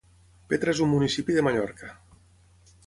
Petra és un municipi de Mallorca.